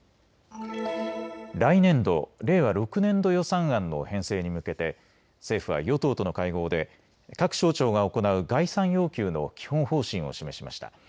来年度令和６年度予算案の編成に向けて政府は与党との会合で各省庁が行う概算要求の基本方針を示しました。